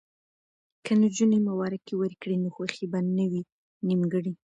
که نجونې مبارکي ورکړي نو خوښي به نه وي نیمګړې.